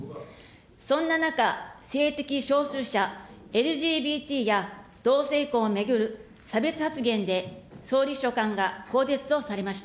そんな中、性的少数者、ＬＧＢＴや同性婚を巡る差別発言で、総理秘書官が更迭をされました。